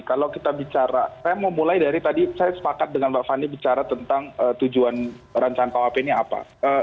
kalau kita bicara saya mau mulai dari tadi saya sepakat dengan mbak fani bicara tentang tujuan rancangan kuhp ini apa